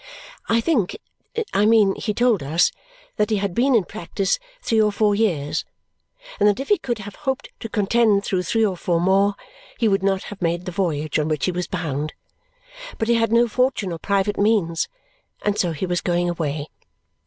I think I mean, he told us that he had been in practice three or four years and that if he could have hoped to contend through three or four more, he would not have made the voyage on which he was bound. But he had no fortune or private means, and so he was going away.